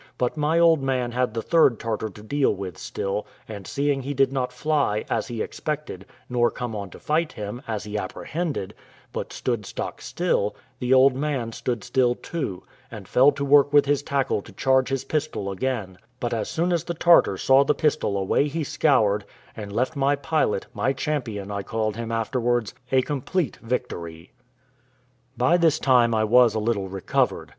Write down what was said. But my old man had the third Tartar to deal with still; and seeing he did not fly, as he expected, nor come on to fight him, as he apprehended, but stood stock still, the old man stood still too, and fell to work with his tackle to charge his pistol again: but as soon as the Tartar saw the pistol away he scoured, and left my pilot, my champion I called him afterwards, a complete victory. By this time I was a little recovered.